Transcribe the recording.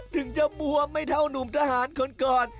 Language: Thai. ถึงจะบวมไม่เท่านุ่มทหารคนก่อน